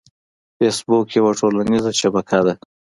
فېسبوک یوه ټولنیزه شبکه ده